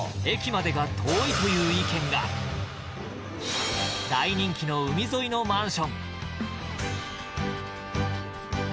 駅までが遠いという意見が大人気の海沿いのマンション